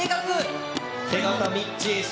手形、みっちー。